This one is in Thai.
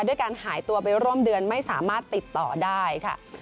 ด้วยการหายตัวไปร่วมเดือนไม่สามารถติดต่อได้ค่ะ